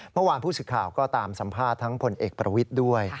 เมื่อวานผู้สึกข่าวก็ตามสัมภาษณ์ทั้งพลเอกพระวิทย์ด้วย